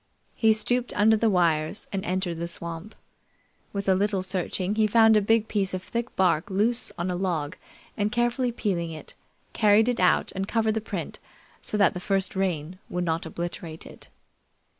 He stooped under the wires and entered the swamp. With a little searching, he found a big piece of thick bark loose on a log and carefully peeling it, carried it out and covered the print so that the first rain would not obliterate it.